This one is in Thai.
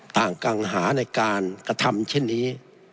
กังหาในการกระทำเช่นนี้